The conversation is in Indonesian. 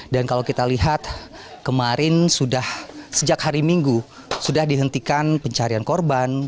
dan kalau kita lihat kemarin sudah sejak hari minggu sudah dihentikan pencarian korban